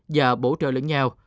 và bổ trợ lẫn nhau